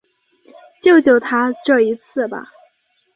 救救他这一次吧